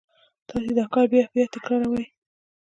تاسې دا کار بیا بیا تکراروئ